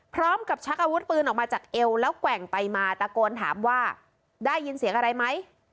ชักอาวุธปืนออกมาจากเอวแล้วแกว่งไปมาตะโกนถามว่าได้ยินเสียงอะไรไหม